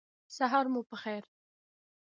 سهار مو پخیر